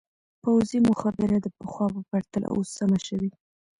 پوځي مخابره د پخوا په پرتله اوس سمه شوې.